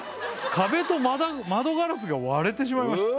壁と窓ガラスが割れてしまいました